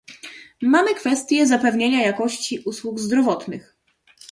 Mamy kwestię zapewnienia jakości usług zdrowotnych